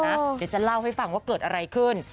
เดี๋ยวจะเล่าให้ฟังว่าเกิดอะไรขึ้น